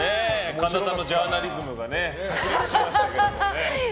神田さんのジャーナリズムが炸裂しましたけどね。